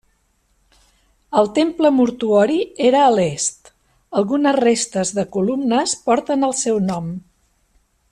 El temple mortuori era a l'est; algunes restes de columnes porten el seu nom.